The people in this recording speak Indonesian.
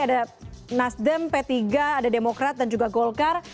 ada nasdem p tiga ada demokrat dan juga golkar